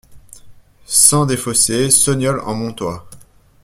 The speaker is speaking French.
Sen des Fossés, Sognolles-en-Montois